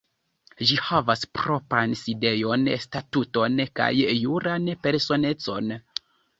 Ĝi havas propran sidejon, statuton kaj juran personecon.